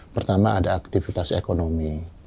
pertama ada aktivitas ekonomi